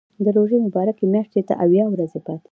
د روژې مبارکې میاشتې ته اویا ورځې پاتې دي.